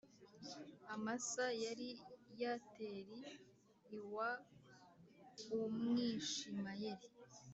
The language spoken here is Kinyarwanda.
Amasa yari Yeteri l w Umwishimayeli